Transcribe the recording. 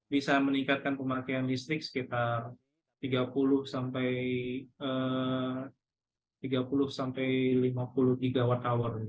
bisa meningkatkan pemakaian listrik sekitar tiga puluh sampai lima puluh gigawatt hour